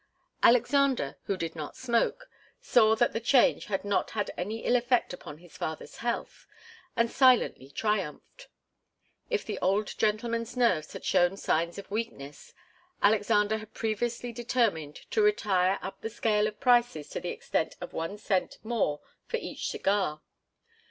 Alexander, who did not smoke, saw that the change had not had any ill effect upon his father's health, and silently triumphed. If the old gentleman's nerves had shown signs of weakness, Alexander had previously determined to retire up the scale of prices to the extent of one cent more for each cigar.